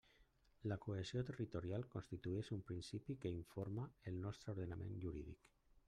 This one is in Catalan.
La cohesió territorial constituïx un principi que informa el nostre ordenament jurídic.